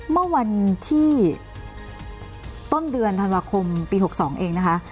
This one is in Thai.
เมื่อวันที่ต้นเดือนธันวาคมปี๖๒เองนะคะ